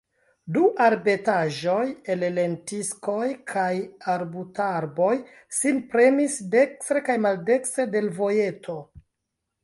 Du arbetaĵoj el lentiskoj kaj arbutarboj sin premis dekstre kaj maldekstre de l' vojeto.